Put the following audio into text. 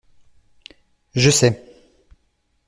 Je sais.